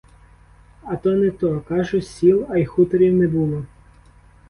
А то не то, кажу, сіл, а й хуторів не було.